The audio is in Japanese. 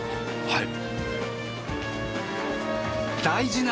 はい！